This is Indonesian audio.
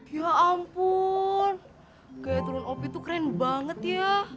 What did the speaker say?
ya ampun kayak turun opi itu keren banget ya